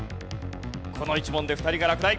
この１問で２人が落第！